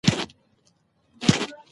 د نارينه فرهنګي برتري ښيي.